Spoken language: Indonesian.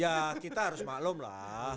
ya kita harus maklum lah